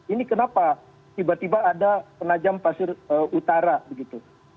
ini kenapa tiba tiba ada penajam pasir utara begitu